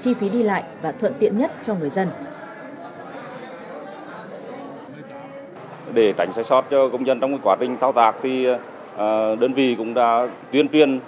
chi phí đi lại và thuận tiện nhất cho người dân